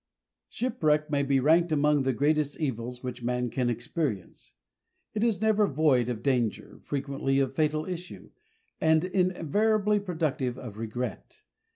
Shipwreck may be ranked among the greatest evils which man can experience. It is never void of danger, frequently of fatal issue, and invariably productive of regret.